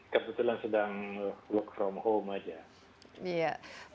kebetulan sedang work from home aja